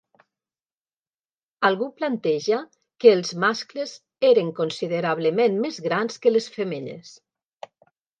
Algú planteja que els mascles eren considerablement més grans que les femelles.